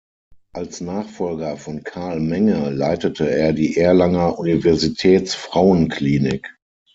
Als Nachfolger von Carl Menge leitete er die Erlanger Universitäts-Frauenklinik.